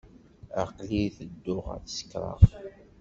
Aql-i tedduɣ ad sekṛeɣ.